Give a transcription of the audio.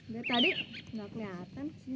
dari tadi gak keliatan